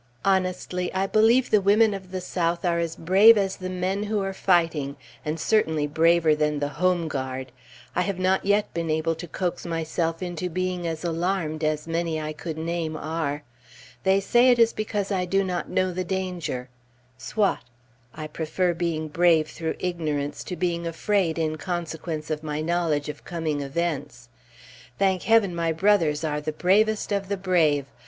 Honestly, I believe the women of the South are as brave as the men who are fighting, and certainly braver than the "Home Guard." I have not yet been able to coax myself into being as alarmed as many I could name are. They say it is because I do not know the danger. Soit. I prefer being brave through ignorance, to being afraid in consequence of my knowledge of coming events. Thank Heaven, my brothers are the bravest of the brave!